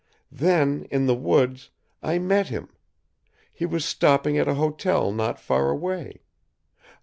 Then, in the woods, I met him. He was stopping at a hotel not far away.